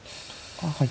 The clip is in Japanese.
はい。